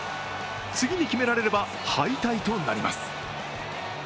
次に決められれば敗退となります。